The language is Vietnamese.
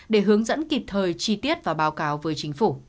để hướng dẫn kịp thời chi tiết và báo cáo với chính phủ